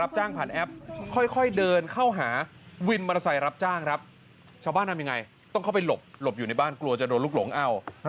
ชาวบ้านทำยังไงต้องเข้าไปหลบหลบอยู่ในบ้านกลัวจะโดนลูกหลงเอ้า